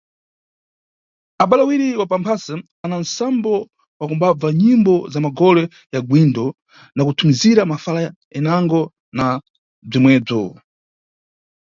Abale awiri wa mamphase ana nsambo wa kumbabva nyimbo za magole ya ngwindo na kuthumizira mafala yanago pa bzwimwebzwo.